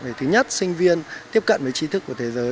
để thứ nhất sinh viên tiếp cận với trí thức của thế giới